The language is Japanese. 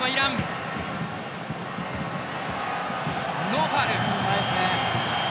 ノーファウル。